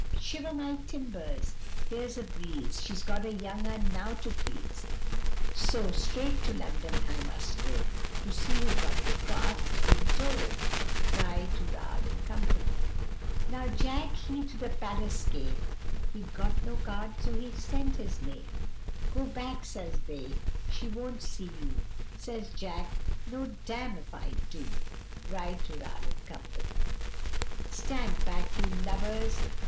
'Shiver my timbers! here's a breeze She's got a young 'un now to please So straight to London I must go, To see who's got the craft in tow.' Ri tooral, &c. Now Jack he to the Palace came He'd got no card, so he sent his name. 'Go back!' says they, 'she wont see you!' Says Jack 'No, damme, if I do!' Ri tooral, &c. 'Stand back, you lubbers!